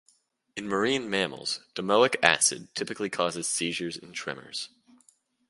In marine mammals, domoic acid typically causes seizures and tremors.